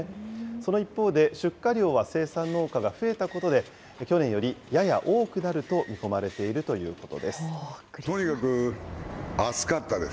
その一方で、出荷量は生産農家が増えたことで、去年よりやや多くなると見込まれているということ